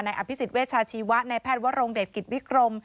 อภิษฎเวชาชีวะในแพทย์วรงเดชกิจวิกรม